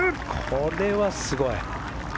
これはすごい。